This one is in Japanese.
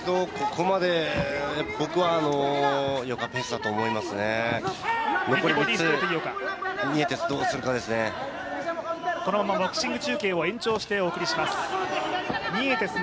このままボクシング中継を延長してお送りします。